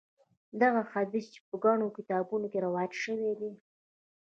دغه حدیث چې په ګڼو کتابونو کې روایت شوی دی.